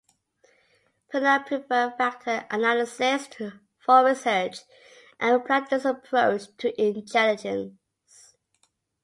Vernon preferred factor analysis for research and applied this approach to intelligence.